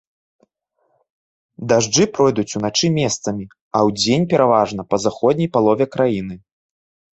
Дажджы пройдуць уначы месцамі, а удзень пераважна па заходняй палове краіны.